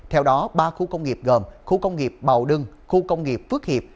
theo đó ba khu công nghiệp gồm khu công nghiệp bào đưng khu công nghiệp phước hiệp